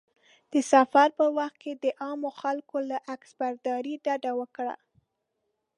د سفر په وخت کې د عامو خلکو له عکسبرداري ډډه وکړه.